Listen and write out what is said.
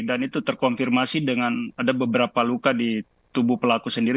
dan itu terkonfirmasi dengan ada beberapa luka di tubuh pelaku sendiri